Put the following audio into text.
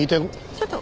ちょっと。